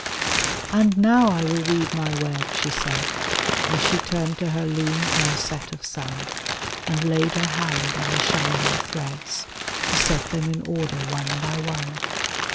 ^' And now I will weave my web," she said. As she turned to her loom ere set of sun, And laid her hand on the shining threads To set them in order one by one.